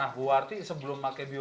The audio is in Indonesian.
nah ibu warti sebelum pakai biogas